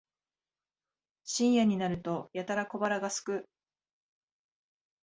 深夜になるとやたら小腹がすく